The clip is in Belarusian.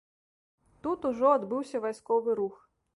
Тут ужо адбыўся вайсковы рух.